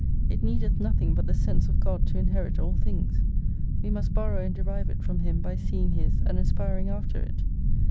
It needeth nothing but the sense of God to inherit all things. We must borrow and derive it from Him by seeing His, and aspiring after it.